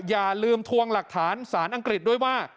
อย่าลืมทวงหลักฐานสารอังกฤษด้วยว่า